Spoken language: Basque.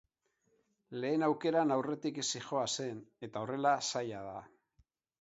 Lehen aukeran aurretik zihoazen, eta horrela zaila da.